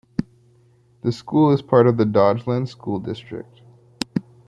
The school is part of the Dodgeland School District.